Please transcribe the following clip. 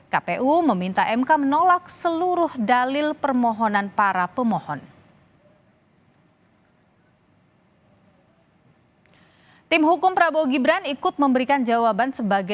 kpu meminta mk menolak seluruh dalil permohonan para pemohon sebagai